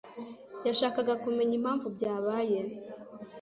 yashakaga kumenya impamvu byabaye.